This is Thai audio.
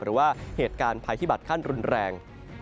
หรือว่าเหตุการณ์ภัยพิบัตรขั้นรุนแรง